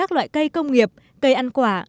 các loại cây công nghiệp cây ăn quả